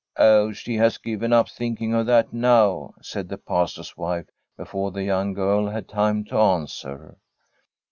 * Oh, she has given up thinking of that now/ said the Pastor's wife, before the young girl had time to answer.